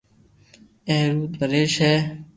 ايڪ رو نريݾ ھي